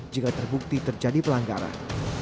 jika terbukti terjadi pelanggaran